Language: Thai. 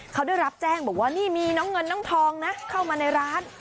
เขาได้รับแจ้งบอกว่านี่มีน้องเงินน้องทองนะเข้ามาในร้าน